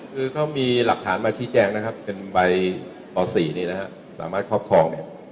คือเขามีหลักฐานมาชี้แจงนะครับเป็นใบป๔นี่นะฮะสามารถครอบครองเนี่ย